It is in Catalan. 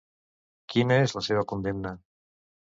Quina és la seva condemna?